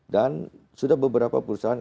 dan sudah beberapa perusahaan